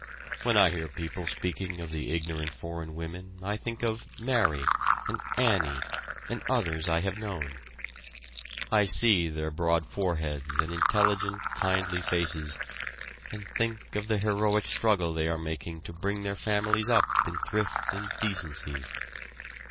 When I hear people speaking of the ignorant foreign women I think of "Mary," and "Annie," and others I have known. I see their broad foreheads and intelligent kindly faces, and think of the heroic struggle they are making to bring their families up in thrift and decency.